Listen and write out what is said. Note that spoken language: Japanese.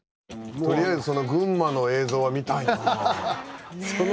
とりあえずその群馬の映像は見たいなあ。